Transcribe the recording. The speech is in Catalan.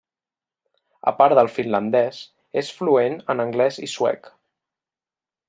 A part del finlandès, és fluent en anglès i suec.